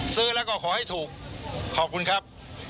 ซื้อแล้วก็ขอให้ถูกขอบคุณครับ